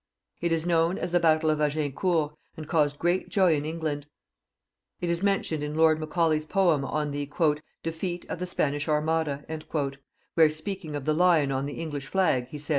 It is known as the battle of Agin court, and caused great joy in England. It is mentioned in Lord Macaulay's poem on the " Defeat of the Spanish Armada," where, speaking of the lion on the English flag, he say!